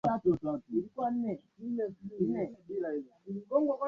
ini hii katiba mpya itaweza tu kunani kuweza kupelekwa